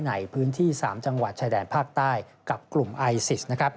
ในพื้นที่๓จังหวัดชายแดนภาคใต้กับกลุ่มไอซิสนะครับ